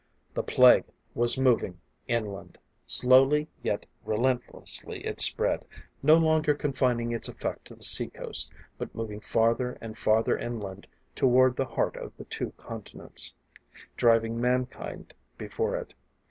The Plague was moving inland! Slowly, yet relentlessly it spread, no longer confining its effect to the sea coast, but moving farther and farther inland toward the heart of the two continents, driving mankind before it.